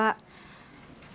kayak gak boleh